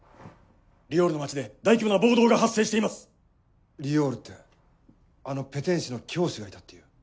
リオールの街で大規模な暴動が発生していますリオールってあのペテン師の教主がいたっていう